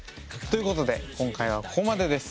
ということで今回はここまでです。